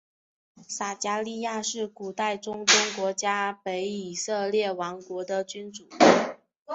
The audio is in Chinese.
撒迦利雅是古代中东国家北以色列王国的君主。